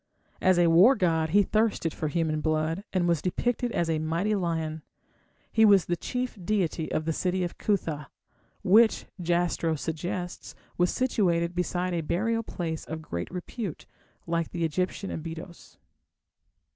As a war god he thirsted for human blood, and was depicted as a mighty lion. He was the chief deity of the city of Cuthah, which, Jastrow suggests, was situated beside a burial place of great repute, like the Egyptian Abydos.